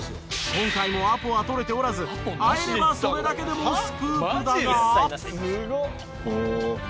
今回もアポは取れておらず会えればそれだけでもスクープだが。